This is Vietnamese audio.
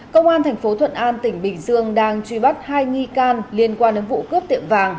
công an thành phố thuận an tỉnh bình dương đang truy bắt hai nghi can liên quan đến vụ cướp tiệm vàng